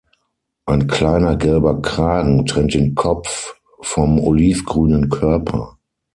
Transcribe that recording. Ein kleiner gelber Kragen trennt den Kopf vom olivgrünen Körper.